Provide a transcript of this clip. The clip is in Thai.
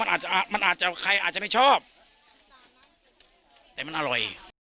อาจจะมันอาจจะใครอาจจะไม่ชอบแต่มันอร่อย